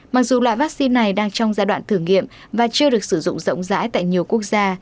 mặc dù loại vaccine này đang trong giai đoạn thử nghiệm và chưa được sử dụng rộng rãi tại nhiều quốc gia